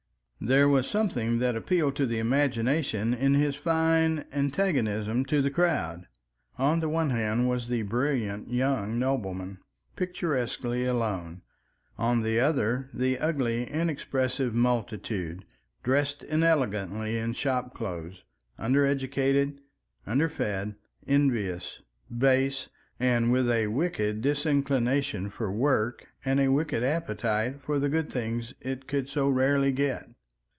There was something that appealed to the imagination in his fine antagonism to the crowd—on the one hand, was the brilliant young nobleman, picturesquely alone; on the other, the ugly, inexpressive multitude, dressed inelegantly in shop clothes, under educated, under fed, envious, base, and with a wicked disinclination for work and a wicked appetite for the good things it could so rarely get.